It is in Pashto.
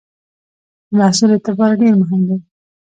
د محصول اعتبار ډېر مهم دی.